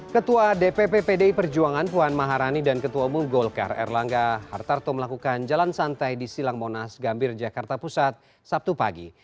ketua dpp pdi perjuangan puan maharani dan ketua umum golkar erlangga hartarto melakukan jalan santai di silang monas gambir jakarta pusat sabtu pagi